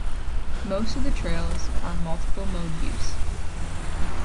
Most of the trails are multiple mode use.